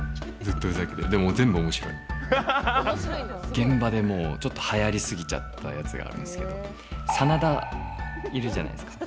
現場で、ちょっとはやりすぎちゃったやつがあるんですけど真田いるじゃないですか。